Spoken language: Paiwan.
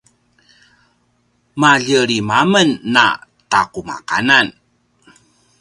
malje lima men a taqumaqanan